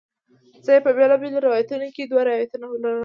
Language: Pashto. زه یې په بیلابیلو روایتونو کې دوه روایتونه لولم.